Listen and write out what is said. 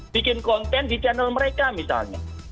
bikin konten di channel mereka misalnya